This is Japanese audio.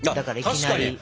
確かに！